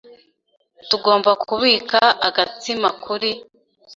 Tugomba kubika agatsima kuri .